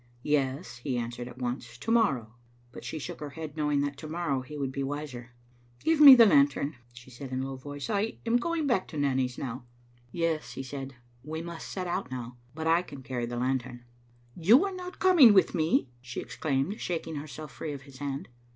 "Yes," he answered at once, "to morrow"; but she shook her head, knowing that to morrow he would be wiser. "Give me the lantern," she said, in a low voice, "I am going back to Nanny's now." Digitized by VjOOQ IC m tTbe Xittle Ainistct. "Yes," he said, "we must set out now, but I can carry the lantern. "" You are not coming with me!" she exclaimed, shak ing herself free of his hand.